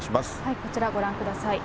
こちら、ご覧ください。